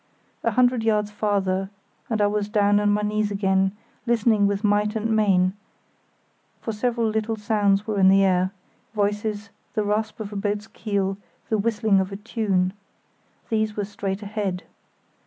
A hundred yards farther and I was down on my knees again, listening with might and main; for several little sounds were in the air—voices, the rasp of a boat's keel, the whistling of a tune. These were straight ahead.